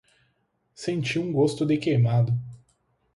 Senti um gosto de queimado